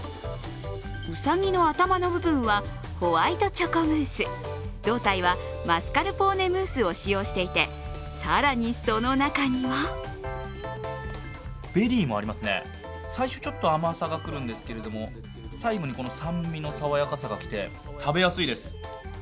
うさぎの頭の部分はホワイトチョコムース、胴体はマスカルポーネムースを使用していて、更にその中には最初、ちょっと甘さがくるんですけど、最後に酸味のさわやかさが来て、食べやすいです。